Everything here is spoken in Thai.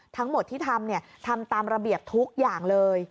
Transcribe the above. ทั้งหมดที่ทำทำตามระเบียบทุกอย่างเลย